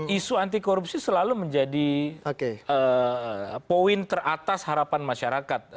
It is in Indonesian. isu anti korupsi selalu menjadi poin teratas harapan masyarakat